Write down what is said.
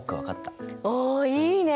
おいいね！